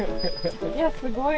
いやすごい。